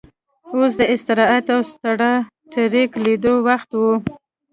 اوس د استراحت او سټار ټریک لیدلو وخت و